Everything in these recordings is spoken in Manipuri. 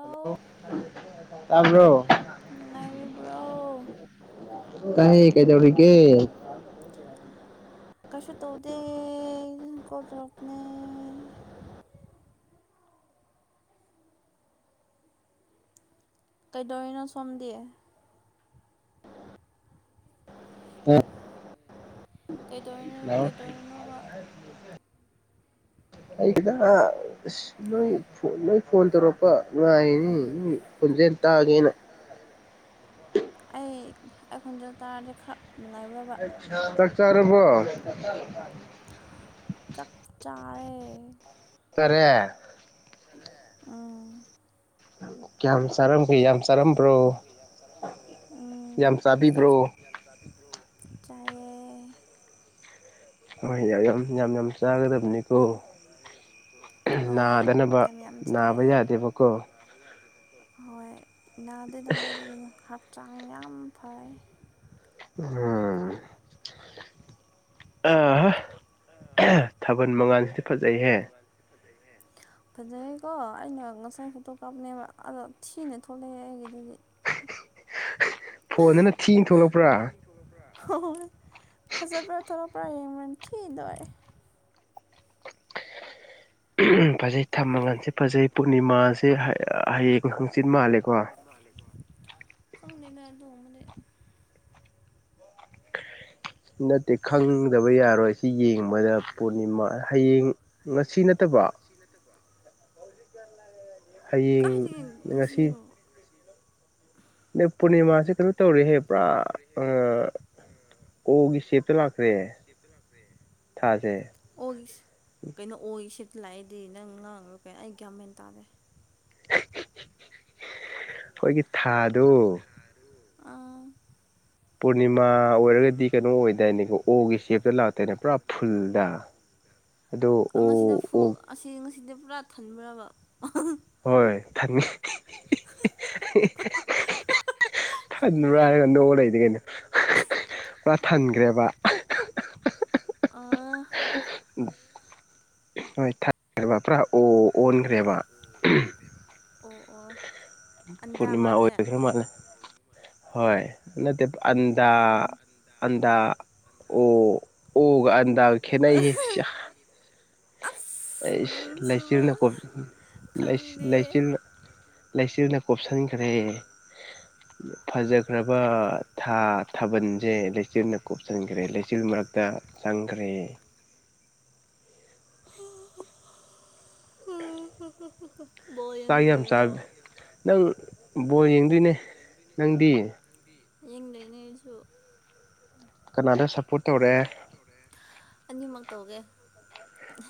ꯍꯜꯂꯣ ꯇꯥꯕ꯭ꯔꯣ ꯀꯥꯏ ꯀꯥꯏ ꯇꯧ ꯀꯩ ꯀꯁ ꯇꯧꯗ ꯀꯣ ꯇꯔꯄꯅꯦ ꯀꯩꯗꯧꯏꯅꯣ ꯁꯣꯝꯗꯦ ꯎ ꯗꯣ ꯀꯩꯗꯧꯔꯤꯅꯣꯕ ꯑꯩꯗ ꯑ ꯅꯣꯏ ꯅꯣꯏ ꯐꯣꯟ ꯇꯧꯔꯛꯄ ꯉꯥꯏꯅꯤ ꯈꯨꯖ ꯇꯥꯒꯦꯅ ꯑꯩꯁꯨ ꯇꯥ ꯆꯥꯛꯆꯥꯔꯕꯣ ꯇꯔꯦ ꯎꯥ ꯀꯌꯥ ꯁꯔꯝ ꯌꯥꯝ ꯆꯥꯔꯝꯕ꯭ꯔꯣ ꯌꯥꯝ ꯆꯥꯔꯝꯕ꯭ꯔꯣ ꯌꯥꯝ ꯆꯥꯕꯤꯕ꯭ꯔꯣ ꯆꯌꯦ ꯍꯣꯏ ꯌꯥꯝ ꯌꯥꯝ ꯌꯥꯝ ꯆꯥꯒꯗꯕꯅꯤꯀꯣ ꯅꯥꯗꯅꯕ ꯅꯥꯕ ꯌꯥꯗꯦꯕꯀꯣ ꯍꯣꯏ ꯅꯥꯗꯗꯗꯥꯏꯗꯒꯤꯅꯣ ꯍꯞꯆꯥꯡ ꯌꯥꯝ ꯐꯩ ꯎꯝ ꯑ ꯊꯥꯕꯜ ꯃꯉꯥꯟꯜꯁꯤꯗꯤ ꯐꯖꯩꯍꯦ ꯐꯖꯩꯀꯣ ꯑꯩꯅ ꯉꯁꯥꯏ ꯐꯣꯇꯣ ꯀꯥꯞꯅꯦꯕ ꯑꯗꯣ ꯊꯤꯅ ꯊꯣꯛꯂꯛꯑꯦ ꯑꯩꯒꯤꯗꯨꯗꯤ ꯎ ꯐꯣꯟꯗꯨꯅ ꯊꯤ ꯊꯣꯛꯂꯛꯄ꯭ꯔꯥ ꯍ ꯐꯖꯕ꯭ꯔꯥ ꯊꯣꯛꯂꯛꯄ꯭ꯔꯥ ꯌꯦꯡꯕ꯭ꯔꯅꯤ ꯊꯤꯗꯣꯏꯔꯦ ꯐꯖꯩ ꯊꯝ ꯃꯒꯜꯁꯦ ꯐꯖꯩ ꯄꯨꯔꯅꯤꯃꯥꯁꯦ ꯍꯌꯦꯡ ꯍꯪꯆꯤꯠ ꯃꯥꯜꯂꯦꯀꯣ ꯈꯪ ꯂꯩ ꯗꯣꯡ ꯃ ꯅꯠꯇꯦ ꯈꯪꯗꯕ ꯌꯥꯔꯣꯏ ꯁꯤ ꯌꯦꯡꯕꯗ ꯄꯨꯔꯅꯤꯃꯥ ꯍꯌꯦꯡ ꯉꯁꯤ ꯁꯤ ꯅꯠꯇꯀ ꯍꯌꯦꯡ ꯉꯁꯤ ꯅ ꯄꯨꯔꯅꯤꯃꯥꯁ ꯀꯩꯅꯣ ꯇꯧꯔꯤꯍꯦ ꯄꯨꯔꯥ ꯑꯣꯒꯤ ꯁꯦꯞꯇ ꯂꯥꯛꯈ꯭ꯔꯦ ꯑꯣꯏ ꯀꯩꯅꯅꯣ ꯎꯏ ꯁꯤ ꯂꯥꯛꯏꯗꯤ ꯅꯪ ꯉꯥꯡꯉꯣ ꯀꯩꯅꯣ ꯑꯩ ꯀꯒ꯭ꯌꯥꯃꯦꯟ ꯇꯥꯔꯦ ꯑꯩꯈꯣꯏꯒꯤ ꯊꯥꯗꯣ ꯑ ꯄ ꯄꯨꯅꯤꯃꯥ ꯃꯥ ꯑꯣꯏꯔꯒꯗꯤ ꯀꯩꯅꯣ ꯑꯣꯏꯗꯥꯏꯅꯦꯀꯣ ꯑꯣꯒꯤ ꯁꯦꯞꯇ ꯂꯥꯛꯇꯣꯏꯅꯦ ꯄꯨꯔꯥ ꯐꯨꯜꯗ ꯑꯗꯨꯗꯣ ꯄꯨꯔꯥ ꯊꯟꯕ꯭ꯔꯕ ꯍꯣꯏ ꯊ ꯊꯟꯕ꯭ꯔꯥ ꯍꯥꯏꯔꯒ ꯅꯣꯡ ꯂꯩꯗꯤ ꯀꯩꯅꯣ ꯄꯨꯔꯥ ꯊꯟꯈ꯭ꯔꯦꯕ ꯑ ꯎ ꯍꯣꯏ ꯊꯥ꯭ꯔꯦꯕ ꯐꯥ ꯑꯣ ꯑꯣꯟꯈ꯭ꯔꯦꯕ ꯑꯣ ꯑꯣ ꯄꯨꯔꯅꯤꯃꯥ ꯑꯣꯏꯒꯔ ꯃꯥꯦ ꯍꯣꯏ ꯅꯠꯇ ꯑꯟꯗꯥ ꯑꯟꯗꯥ ꯑꯣ ꯑꯣꯒ ꯑꯟꯗꯥ ꯈꯦꯅ ꯑꯩ ꯂꯩꯆꯜꯅ ꯀꯣ ꯂꯩꯆꯔꯅ ꯂꯩꯁꯤꯅ ꯀꯨꯞꯞꯁꯟꯈ꯭ꯔꯦ ꯐꯖꯈ꯭ꯔꯕ ꯊꯥ ꯊꯥꯕꯜ ꯁꯦ ꯂꯩꯆꯤꯜꯅ ꯀꯨꯞꯁꯤꯟꯈ꯭ꯔꯦ ꯂꯩꯆꯤꯜ ꯃꯔꯛꯇ ꯆꯪꯈ꯭ꯔꯦ ꯍꯝ ꯑꯣ ꯆꯥꯛ ꯌꯥꯝ ꯆꯥꯕ ꯅꯪ ꯕꯣ ꯌꯦꯡꯗꯣꯏꯅꯦ ꯅꯪꯗꯤ ꯌꯦꯡ ꯂꯩꯅꯦ ꯑꯩꯁꯨ ꯀꯅꯥꯗ ꯁꯄꯣꯔꯠ ꯇꯧꯔꯛꯑꯦ ꯠꯇꯣꯒ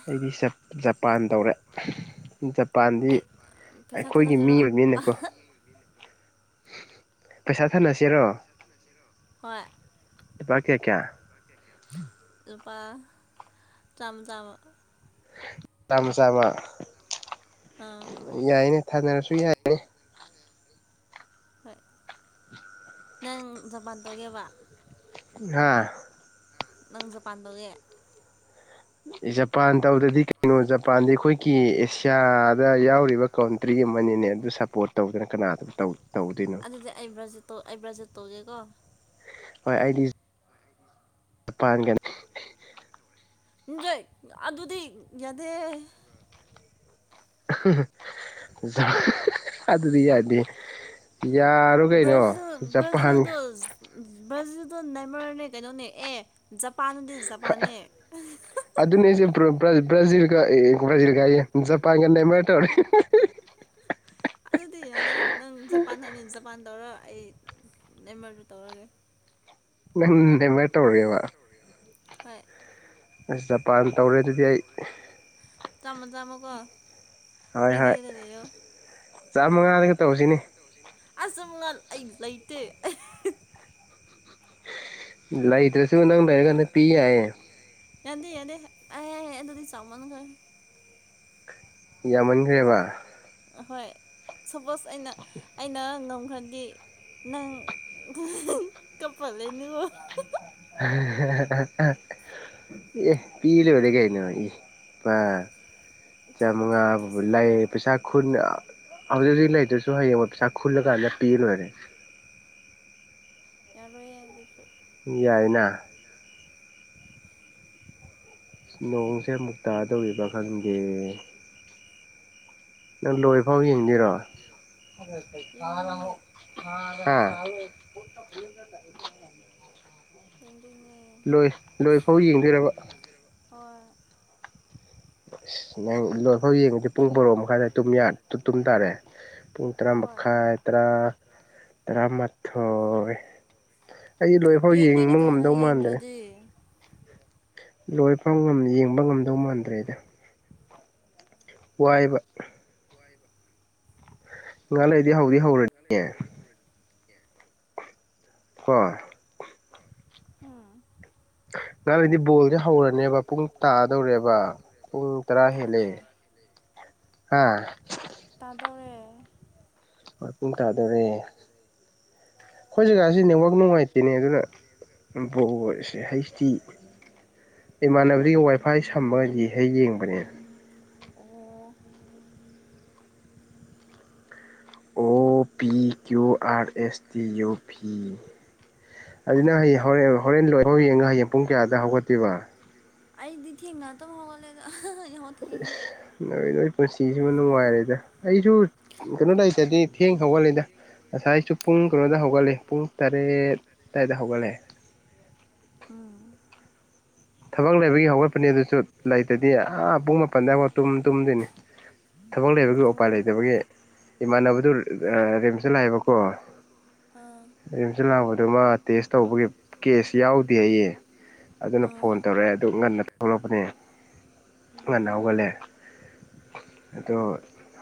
ꯑꯩꯗꯤ ꯖꯄꯥꯟ ꯇꯧꯔꯦ ꯖꯄꯥꯟꯗꯤ ꯑꯩꯈꯣꯏꯒꯤ ꯃꯤ ꯑꯣꯏꯕꯅꯤꯅꯀꯣ [inaudible] ꯄꯩꯁꯥ ꯊꯥꯅꯁꯤꯔꯣ ꯍꯥꯣꯏ ꯄꯥ ꯀꯦꯌꯥ ꯀꯌꯥ ꯂꯨꯄꯥ ꯆꯝ ꯆꯥꯃ ꯆꯥꯃ ꯆꯥꯃ ꯌꯥꯏꯅꯦ ꯊꯥꯅꯔꯁꯨ ꯌꯥꯏꯅꯦ ꯍꯣꯏ ꯅꯪ ꯆꯕꯥꯥꯟ ꯇꯒꯦꯕ ꯍꯥꯥ ꯅꯪ ꯖ ꯄꯥꯟꯗꯧꯒꯦ ꯖꯄꯥꯟ ꯇꯧꯗꯗꯤ ꯀꯩꯅꯣ ꯖꯄꯥꯟꯗꯤ ꯑꯩꯈꯣꯏꯒꯤ ꯑꯦꯁꯤꯌꯥꯗ ꯌꯥꯎꯔꯤꯕ ꯀꯟꯇ꯭ꯔꯤ ꯑꯃ ꯑꯃꯅꯤꯅꯦ ꯑꯗꯨ ꯁꯞꯄꯣꯔꯠ ꯇꯧꯗꯅ ꯀꯅꯥꯗ ꯇꯧ ꯑꯗꯨꯗꯤ ꯑꯩ ꯕ꯭ꯔꯁꯧ ꯑꯩ ꯕ꯭ꯔꯁꯁꯨ ꯇꯧꯒꯦꯀꯣ ꯍꯣꯏ ꯑꯩꯗꯤ ꯄꯥꯟꯒꯅꯤ ꯖꯣꯏ ꯑꯗꯨꯗꯤ ꯌꯥꯗꯦ ꯑꯗꯨꯗꯤ ꯌꯥꯗꯦ ꯕ꯭ꯔꯥꯖꯤꯜ ꯕ꯭ꯔꯥꯖꯤꯜꯗꯣ ꯕ꯭ꯔꯥꯖꯤꯜꯗꯣ ꯅꯥꯏꯃꯔꯅꯦ ꯀꯩꯅꯣꯅꯦ ꯑꯦ ꯖꯄꯥꯟꯗꯤ ꯖꯄꯥꯟꯦ ꯭ꯔꯥꯖꯤꯜ ꯀ ꯭ꯔꯥꯖꯤꯜ ꯀꯥꯏꯦ ꯖꯄꯥꯟ ꯀ ꯃꯔ ꯇꯧꯔ ꯑꯗꯨꯗꯤ ꯌꯥꯗꯦ ꯅꯪ ꯖꯄꯥꯟ ꯍꯥꯏꯕꯅꯤꯅ ꯖꯄꯥꯟ ꯇꯧꯔ ꯑꯩ ꯅ ꯃꯔꯁꯨ ꯇꯧꯔꯒꯦ ꯅ ꯃꯦꯇ ꯑꯣꯔ ꯋꯥ ꯍꯣꯏ ꯑꯁ ꯖꯄꯥꯟ ꯇꯧꯔꯦ ꯑꯗꯨꯗꯤ ꯑꯩ ꯆꯥꯃꯣ ꯆꯃꯣ ꯀ ꯔꯔꯤꯗꯤꯗ ꯂꯩꯣ ꯆꯥꯝꯃꯉꯥꯗ ꯇꯧꯁꯤꯅꯦ ꯑꯁꯨ ꯃꯉꯜ ꯑꯩ ꯂꯩꯇꯦ ꯂꯥꯏꯇꯁꯨꯅꯗꯔ ꯀ ꯄꯤ ꯌꯥꯑꯦ ꯌꯥꯗꯤ ꯌꯥꯗ ꯑ ꯑꯗꯨꯗꯤ ꯆꯥꯎꯃꯟ ꯈꯦ ꯌꯥꯃꯟꯈꯦꯕ ꯑꯍꯣꯏ ꯁꯄꯣꯁ ꯑꯩꯅ ꯑꯩꯅ ꯍꯥꯏꯗꯤ ꯅꯪ ꯀꯞꯄ ꯂꯩꯅꯤꯡꯉꯣ ꯑꯦ ꯄꯤꯂ ꯍꯧꯗ ꯀꯦ ꯍꯥꯏꯅ ꯏ ꯄ ꯆꯃꯉ ꯂꯩꯥꯏ ꯄꯩꯁꯥ ꯈꯨꯟꯅ ꯑꯗꯨꯗꯤ ꯂꯩꯇ꯭ꯔꯁꯨ ꯍꯌꯦꯡꯉ ꯄꯩꯁꯥ ꯈꯨꯜꯂ ꯀꯥꯟꯗ ꯄꯤ ꯂꯣꯏꯔꯦ ꯌꯥꯣꯏ ꯑꯗꯨꯁꯨ ꯌꯥꯏꯅꯥ ꯅꯣꯡꯁꯦ ꯃꯨꯛꯇꯥꯗꯧꯔꯤꯕ ꯈꯪꯗꯦ ꯅꯪ ꯂꯣꯏ ꯐꯥꯎ ꯌꯦꯡꯗꯔꯣ ꯑꯥ ꯊꯔꯤꯉ ꯂꯣꯏ ꯂꯣꯏ ꯐꯥꯎ ꯌꯦꯡꯗꯣꯏꯔꯕ ꯅ ꯏ ꯂ ꯑꯩꯈꯣꯏ ꯌꯦꯡꯉꯗꯤ ꯄꯨꯡ ꯕꯣꯔꯣꯛ ꯃꯈꯥꯏꯗ ꯇꯨꯝ ꯇꯥꯔꯦ ꯄꯨꯡ ꯇꯔꯥ ꯃꯈꯥꯏ ꯇꯔꯥ ꯇꯔꯥꯃꯥꯊꯣꯏ ꯑꯩꯗꯤ ꯂꯣꯏꯐꯥꯎ ꯌꯦꯡꯕ ꯉꯝꯗꯧ ꯃꯥꯟꯗ꯭ꯔꯦ ꯂꯣꯏꯐꯝ ꯌꯦꯡꯕ ꯉꯝꯗꯧ ꯃꯥꯟꯗ꯭ꯔꯦꯗ ꯋꯥꯏꯕ ꯉꯥꯥꯟ ꯂꯩꯗꯤ ꯍꯧꯗꯤ ꯍꯧꯔꯅꯤꯌꯦ ꯍꯣꯏ ꯎꯝ ꯉ ꯏꯗꯤ ꯣꯜ ꯍꯧ ꯍꯧꯔꯅꯦꯕ ꯄꯨꯡ ꯇꯥꯗꯧꯔꯦꯕ ꯄꯨꯡ ꯇꯔꯥ ꯍꯦꯜꯂꯦ ꯍꯥꯥ ꯄꯥꯔꯀꯤꯡ ꯇꯥꯗꯔꯦ ꯑꯩꯈꯣꯏ ꯖꯒꯥꯁꯤ ꯅꯦꯠꯋꯥꯛ ꯅꯨꯡꯉꯥꯏꯇꯦꯅꯦ ꯑꯗꯨꯅ ꯣ ꯍꯩꯁꯇ ꯏꯃꯥꯟꯅꯕꯔꯤꯒꯤ ꯋꯥꯏꯐꯥꯏ ꯁꯝꯃꯒꯗꯤ ꯍꯦꯛ ꯌꯦꯡꯕꯅꯦ ꯑꯣ ꯑꯣ ꯄꯤ ꯀ꯭ꯌꯨ ꯑ ꯑꯦꯁ ꯇꯤ ꯌꯨ ꯄꯤ ꯑꯗꯨꯅ ꯍꯌꯦꯡ ꯍꯣꯔꯦꯟ ꯍꯣꯔꯦꯟ ꯂꯣꯏ ꯍꯌꯦꯡ ꯍꯌꯦꯡ ꯄꯨꯡ ꯀꯌꯥꯗ ꯍꯧꯒꯠꯇꯣꯏꯕ ꯑꯩꯗꯤ ꯊꯤ ꯅꯠꯇ ꯍꯒꯣ ꯂꯩꯦꯗ ꯅꯣꯏ ꯅꯣꯏ ꯄꯨꯟꯁꯤꯁꯤꯕꯨ ꯅꯨꯡꯉꯥꯏꯔꯦꯗ ꯑꯩꯁꯨ ꯀꯩꯅꯣ ꯂꯩꯇꯗꯤ ꯊꯦꯡ ꯍꯧꯒꯜꯂꯤꯗ ꯉꯁꯥꯏꯁꯨ ꯄꯨꯡ ꯄꯨꯡ ꯀꯩꯅꯣꯗ ꯍꯧꯒꯠꯂꯦ ꯄꯨꯡ ꯇꯔꯦꯠ ꯑꯗꯨꯋꯥꯏꯗ ꯍꯧꯒꯠꯂꯦ ꯎꯝ ꯊꯕꯛ ꯂꯩꯕꯒꯤ ꯍꯧꯒꯠꯄꯅꯦ ꯑꯗꯨꯁꯨ ꯂꯩꯇꯗꯤ ꯄꯨꯡ ꯃꯥꯄꯟꯗꯐ ꯇꯨꯝ ꯇꯨꯝꯗꯣꯏꯅꯤ ꯊꯕꯛ ꯂꯩꯕꯒꯤ ꯎꯄꯥꯏ ꯂꯩꯇꯕꯒꯤ ꯏꯃꯥꯟꯅꯕꯗꯨ ꯔꯤꯝꯁꯇ ꯂꯥꯛꯑꯦꯕꯀꯣ ꯔꯤꯝꯁꯇ ꯂꯥꯛꯕꯗꯨꯃ ꯇꯦꯁ ꯇꯧꯕꯒꯤ ꯀꯦꯁ ꯌꯥꯎꯗꯦ ꯑꯩꯌꯦ ꯑꯗꯨꯅ ꯐꯣꯟ ꯇꯧꯔꯛꯑꯦ ꯑꯗꯨ ꯉꯟꯅ ꯊꯣꯛꯂꯛꯄꯅꯦ ꯉꯟꯅ ꯍꯧꯒꯠꯂꯦ ꯑꯗꯨꯣ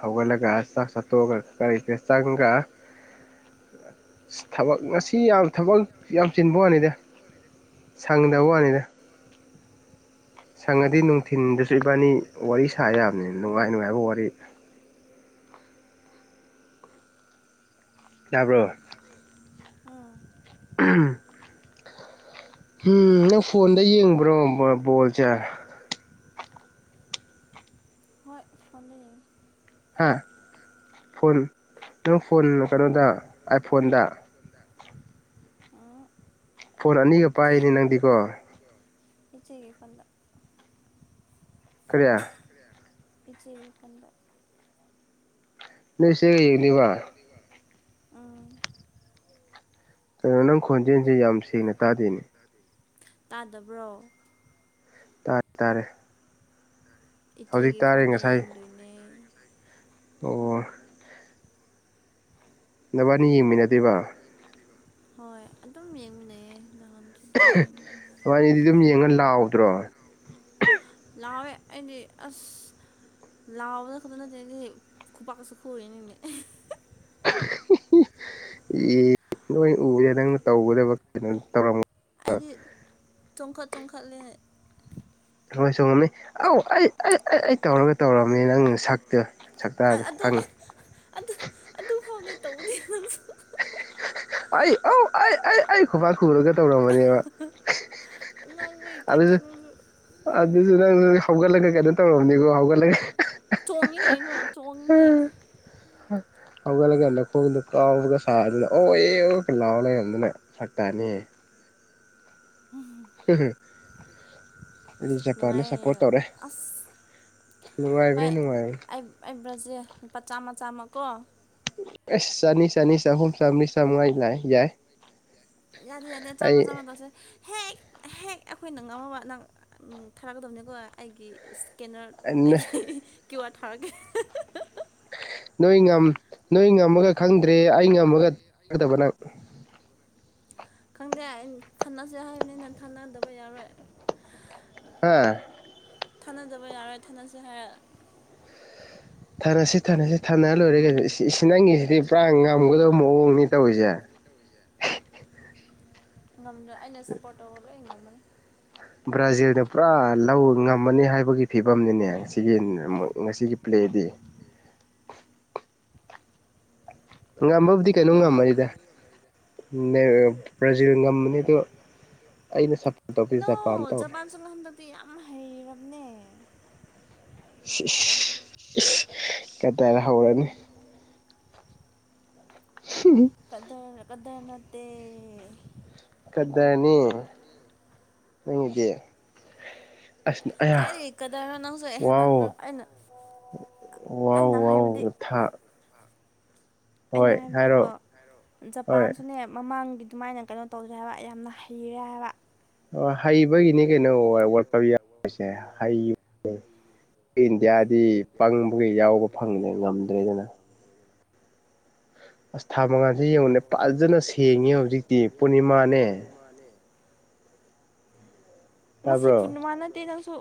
ꯍꯧꯒꯂꯒꯁ ꯐꯣ ꯀꯔꯤꯗ ꯆꯪꯒ ꯊꯕꯛ ꯉꯁꯤ ꯌꯥꯝ ꯊꯕꯛ ꯌꯥꯝ ꯆꯤꯟꯕ ꯋꯥꯅꯤꯗ ꯁꯪꯗꯕ ꯋꯥꯅꯤꯗ ꯁꯪꯉꯗꯤ ꯅꯨꯡꯊꯤꯟꯗꯁꯨ ꯏꯕꯥꯅꯤ ꯋꯥꯔꯤ ꯁꯥ ꯌꯥꯕꯅꯤ ꯅꯨꯡꯉꯥꯏ ꯅꯨꯡꯉꯥꯏꯕ ꯋꯥꯔꯤ [inaudible] ꯌꯥꯕ꯭ꯔꯣ ꯑꯝ ꯎ ꯎꯝ ꯅꯪ ꯐꯣꯟꯗ ꯌꯦꯡꯕ꯭ꯔꯣ ꯕꯣꯜꯁꯦ ꯍꯣꯏ ꯐꯣꯟꯣꯟ ꯍꯥ ꯐꯣꯟ ꯅ ꯐꯣꯟꯣꯟ ꯀꯩꯅꯣꯗ ꯐꯣꯟꯣꯟꯗ ꯐꯣꯟ ꯑꯅꯤꯒ ꯄꯥꯏꯅꯦ ꯅꯪꯗꯤꯀꯣ ꯏꯆꯦ ꯀ ꯐꯟꯗ ꯀꯌꯥ ꯏꯆꯦ ꯐꯟꯗ ꯅꯁ [inaudible] ꯑꯦꯅꯤꯕ ꯎꯝ ꯀꯩꯅꯣ ꯅꯪ ꯈꯣꯟꯖꯦꯜꯁꯦ ꯌꯥꯝ ꯁꯦꯡꯅ ꯇꯥꯗꯦꯅꯦ ꯇꯥꯗꯕ꯭ꯔꯣ ꯇꯥꯔꯦ ꯏꯆꯦꯒꯤ ꯐꯣꯟꯗ ꯌꯦꯡꯗꯣꯏꯅꯦ ꯑꯣ ꯅꯕꯥꯅꯤ ꯌꯦꯡꯃꯤ ꯅꯗꯦꯕ ꯍꯣꯏ ꯑꯗꯨꯝ ꯌꯦꯡꯃꯤꯟꯅꯩꯌꯦ ꯍꯅꯤꯗꯤ [inaudible] ꯑꯗꯨꯝ ꯌꯦꯡꯉ ꯂꯥꯛꯗ꯭ꯔꯣ ꯑꯅꯤ ꯑꯁ ꯂꯥꯎꯕꯅ ꯈꯗꯅ ꯈꯨꯄꯥꯛ ꯀꯁꯨ ꯈꯨꯔꯤꯅꯦ ꯅꯣꯏ ꯎꯗꯦ ꯅꯪꯅ ꯇꯧꯒꯗꯕ ꯀꯩꯅꯣ ꯇꯧꯔꯝꯃ ꯑꯩꯗꯤ ꯆꯣꯡꯈꯠ ꯆꯣꯡꯈꯠꯂꯦ ꯍꯣꯏ ꯁꯒꯃꯦꯅꯦ [inaudible] ꯑꯧ ꯑꯩ ꯑꯩ ꯑꯩ ꯑꯩ ꯇꯧꯔꯒ ꯇꯧꯔꯝꯃꯦ ꯅꯪ ꯁꯛꯇꯦ ꯁꯛ ꯇꯗꯦ ꯈꯪꯉꯤ ꯑꯗꯨ ꯑꯗꯨ ꯐꯥꯎꯗꯤ ꯇꯧꯗꯦ ꯅꯪꯁꯨ ꯑꯩ ꯑ ꯑꯩ ꯑꯩ ꯑꯩ ꯈꯨꯄꯥꯛ ꯈꯨꯔꯒ ꯇꯧꯔꯝꯕꯅꯦꯕ ꯍ ꯏꯇꯔ [inaudible] ꯇꯣ ꯑꯗꯨꯗꯨ ꯅꯪ ꯍꯧꯒꯠꯂꯒ ꯀꯩꯅꯣ ꯇꯧꯔꯝꯅꯤꯀꯣ ꯍꯧꯒꯠꯂꯒꯦ ꯇꯣꯡꯅꯤ ꯂꯩꯅꯣ ꯌꯦ ꯍꯧꯒꯠꯂꯒꯗꯈꯣꯡꯗ ꯀꯥꯎꯔꯒ ꯁꯥꯗꯅ ꯑꯣ ꯑꯦ ꯂꯥꯎ ꯂꯩꯔꯝꯗꯅ ꯁꯛꯇꯅꯦ ꯍ ꯍ ꯑꯩꯗꯤ ꯖꯄꯥꯟꯗ ꯁꯞꯄꯣꯔꯠ ꯇꯧꯔꯦ ꯅꯨꯡꯉꯥꯏꯕꯅꯤ ꯅꯨꯡꯉꯥꯏꯕ ꯈ꯭ꯔꯁꯦ ꯂꯨꯄꯥ ꯆꯥꯝꯃ ꯆꯥꯝꯃ ꯀꯣ ꯑꯦꯁ ꯆꯅꯤ ꯌꯥꯅꯤ ꯌꯥꯅꯤ ꯆꯃ ꯆꯃ ꯇꯁꯦ ꯍꯦꯛ ꯍꯦꯛ ꯑꯩꯈꯣꯏꯅ ꯉꯝꯃꯕ ꯅ ꯊꯥꯔꯛꯀꯗꯕꯅꯤꯀꯣ ꯑꯩꯒꯤ ꯀꯦꯅ ꯑꯩꯒꯤ ꯀꯦꯋꯥꯔ ꯊꯥꯔꯛꯒꯦ ꯅꯣꯏ ꯉꯝꯃꯒ ꯈꯪꯗ꯭ꯔꯦ ꯑꯩ ꯉꯝꯃꯒ ꯇꯥꯗꯕ ꯅꯪ ꯈꯪꯗꯦ ꯑ ꯊꯥꯅꯁꯦ ꯍꯥꯏꯕꯅꯤꯅ ꯊꯥꯅꯗꯕ ꯌꯥꯔꯣꯏ ꯍꯥꯝ ꯊꯥꯅꯗꯕ ꯌꯥꯔꯣꯏ ꯊꯥꯅꯁꯦ ꯍꯥꯏꯔ ꯊꯥꯔꯁꯤ ꯏꯊꯅꯁꯤ ꯊꯟꯅꯔ ꯂꯣꯏꯔꯦ ꯀ ꯁꯤ ꯅꯪꯒꯤꯁꯤꯗꯤ ꯄꯨꯔꯥ ꯉꯝꯒꯗꯕ ꯃꯑꯣꯡꯅꯤ ꯇꯧꯔꯤꯁꯦ [inaudible] ꯉꯝ ꯑꯩꯅ ꯁꯞꯄꯣꯔꯠ ꯇꯧꯕ ꯂꯣꯏ ꯉꯝꯃꯅꯤ ꯕ꯭ꯔꯥꯖꯤꯜꯗ ꯄꯨꯔꯥ ꯂꯧ ꯉꯝꯃꯅꯤ ꯍꯥꯏꯕꯒꯤ ꯐꯤꯕꯝꯅꯤꯅꯦ ꯉꯒꯤ ꯉꯁꯤꯒꯤ ꯑꯣꯏꯗꯤ [unintelligible] ꯉꯝꯕꯕꯨꯗꯤ ꯀꯩꯅꯣꯝ ꯉꯝꯃꯅꯤꯗ ꯕ꯭ꯔꯥꯖꯤꯜ ꯉꯝꯃꯅꯤ ꯑꯗꯣ ꯅꯣ ꯖꯄꯥꯟ ꯆꯣꯂꯍꯟꯗꯗꯤ ꯌꯥꯝ ꯍꯩꯔꯕꯔꯕꯅꯦ ꯀꯇꯔ ꯍꯧꯔꯅꯤ ꯀꯗꯔ ꯀꯗꯔꯅꯠꯇ ꯐꯗꯥꯅꯤꯗꯤ ꯀꯥꯏꯗ ꯍꯛꯀꯗꯣꯏꯔꯣ ꯅꯪꯁꯨ ꯍꯦꯃꯟ꯭ꯔꯣ ꯑꯩꯅ ꯑꯩ ꯅꯍꯥꯏꯕꯗꯤ ꯑꯩꯅ ꯍꯥꯏꯕꯗꯤꯀꯣ ꯖꯄꯥꯟꯁꯨꯅꯦ ꯃꯃꯥꯡꯒꯤ ꯑꯗꯨꯃꯥꯏꯅ ꯀꯩꯅꯣ ꯇꯧꯁꯦ ꯍꯥꯏꯕ ꯌꯥꯝꯅ ꯍꯩꯔꯦ ꯍꯥꯏꯕ ꯍꯩꯕꯒꯤꯅꯤ ꯀꯩꯅꯣ ꯋꯥꯠꯄ ꯌꯥꯎꯁꯦ ꯍꯩꯌ ꯑꯩꯣꯏ ꯏꯟꯗꯤꯌꯥꯗꯤ ꯄꯪꯕꯒꯤ ꯌꯥꯎꯕ ꯐꯪꯗ꯭ꯔꯦ ꯉꯝꯗ꯭ꯔꯦꯗꯅ ꯑꯁ ꯁꯥꯥ ꯃꯉꯥꯟꯁꯤ ꯌꯦꯡꯉꯨꯅꯦ ꯐꯖꯅ ꯁꯦꯡꯉꯤ ꯍꯧꯖꯤꯛꯇꯤ ꯄꯨꯔꯅꯤꯃꯥꯅꯦ ꯉꯁꯤ ꯄꯨꯟ ꯃꯥꯟꯅꯗꯦ ꯅꯪꯁꯨ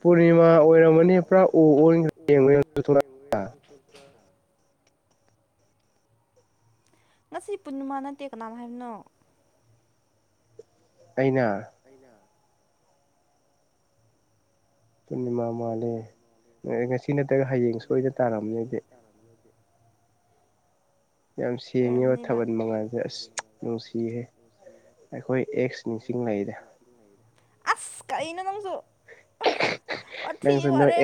ꯄꯨꯔꯅꯤꯃꯥ ꯑꯣꯏꯔꯝꯃꯅꯤ ꯄꯨꯔꯥ ꯑꯣ ꯑꯣ ꯉꯁꯤ ꯄꯨꯟꯃꯥ ꯅꯠꯇꯦ ꯀꯅꯥꯅꯣ ꯍꯥꯏꯕꯅꯣ ꯑꯩꯅ ꯄꯨꯔꯅꯤꯃꯥ ꯃꯥꯜꯂꯦ ꯉꯁꯤ ꯅꯠꯇ꯭ꯔꯒ ꯍꯌꯦꯡ ꯁꯣꯏꯗ ꯇꯥꯔꯝꯅꯦꯗꯤ ꯌꯥꯝ ꯁꯦꯡꯉꯤꯕ ꯊꯥꯕꯜ ꯃꯉꯥꯜꯁꯦ ꯑꯁ ꯅꯨꯡꯁꯤꯍꯦ ꯑꯩꯈꯣꯏ ꯑꯦꯛꯁ ꯅꯤꯡꯁꯤꯡꯂꯛꯗ ꯑꯁ ꯀꯩꯅ ꯅꯪꯁꯨ ꯑꯣ ꯊ ꯋꯥꯔꯦ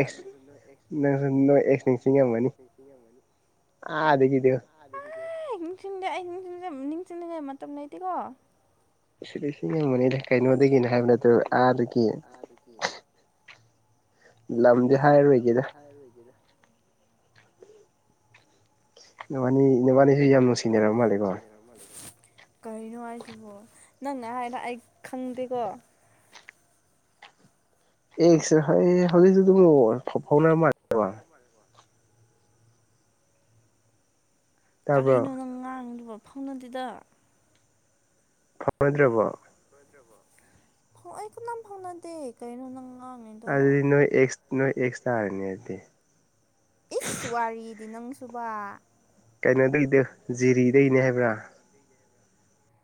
ꯑ ꯑꯗꯨꯗꯒꯤꯗꯦꯕ ꯑꯦ ꯅꯤꯡꯁꯤꯡ ꯑꯩ ꯅꯤꯡꯁꯤꯡꯅꯤꯡꯉꯥꯏ ꯃꯇꯝ ꯂꯩꯇꯦꯀꯣ ꯁꯤꯅꯦ ꯃꯅꯤ ꯊꯥꯏꯅꯗꯅ ꯍꯥꯏꯥꯏꯕꯂ ꯇ ꯑ ꯀ ꯂꯝꯗꯤ ꯍꯥꯏꯔꯔꯣꯏꯒꯦꯗ ꯅꯕꯥꯅꯤ ꯅꯕꯥꯅꯤꯁꯨ ꯌꯥꯝ ꯅꯨꯡꯁꯤꯅꯔꯕ ꯃꯥꯜꯂꯦꯀꯣ ꯀꯔꯤꯅꯣ ꯍꯥꯏꯁꯤꯕꯣ ꯅꯪꯅ ꯍꯥꯏꯅ ꯑꯩ ꯈꯪꯗꯦꯀꯣ ꯑꯦꯁ ꯍ ꯍꯖꯤꯁꯨ ꯐꯥꯎꯅ ꯃꯥ ꯀꯔꯤꯅꯣ ꯅꯪ ꯉꯥꯡꯗꯕ ꯐꯥꯎꯅꯗꯨꯗ ꯐꯪꯅꯗ꯭ꯔꯕꯣ ꯥꯎ ꯑꯩ ꯈꯨꯅꯥꯝ ꯐꯥꯎꯅꯥꯗꯦ ꯀꯩꯅꯣꯅꯪ ꯑꯗꯨꯗꯤ ꯅꯣꯏ ꯑꯦꯁ ꯅꯣꯏ ꯑꯦꯛꯁꯇ꯭ꯔꯥ ꯍꯥꯏꯔꯅꯤ ꯑꯗꯨꯗꯤ ꯏꯁ ꯋꯥꯔꯤꯗꯤ ꯅꯪꯁꯨꯕ ꯀꯩꯅꯣꯗꯩꯗ ꯖꯤꯔꯤꯗꯩꯅꯦ ꯍꯥꯏꯕ꯭ꯔꯥ